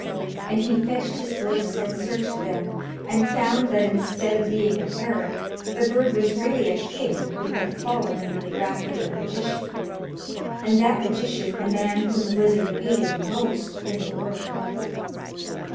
And he fetched his books and searched them, and found that instead of being a parrot, the bird was really a king who had fallen under the wrath of a magician, and that magician the man whom the wizard hated most in the world.